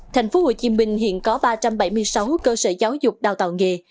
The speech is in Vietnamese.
tp hcm hiện có ba trăm bảy mươi sáu cơ sở giáo dục đào tạo nghề